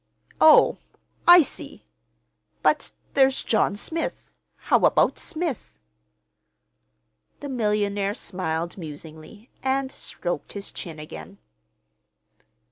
"Oh, I see. But—there's John Smith? How about Smith?" The millionaire smiled musingly, and stroked his chin again.